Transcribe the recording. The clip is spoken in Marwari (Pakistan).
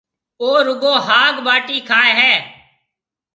او رُگو هاگ ٻاٽِي کائي هيَ۔